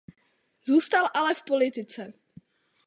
Zůstal ale v politice.